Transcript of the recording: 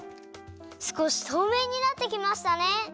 すこしとうめいになってきましたね！